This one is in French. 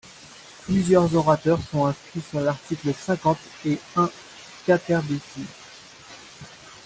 Plusieurs orateurs sont inscrits sur l’article cinquante et un quaterdecies.